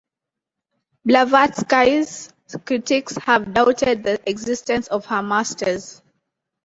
Blavatsky's critics have doubted the existence of her Masters.